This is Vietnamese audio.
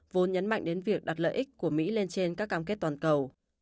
vốn nhấn mạnh đến việc đặt lợi ích của mỹ lên trên các cam kết toàn cầu